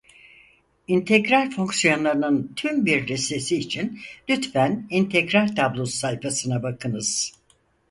İntegral fonksiyonlarının tüm bir listesi için lütfen İntegral tablosu sayfasına bakınız.